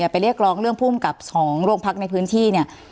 ไปเรียกร้องเรื่องภูมิกับของโรงพักในพื้นที่เนี่ย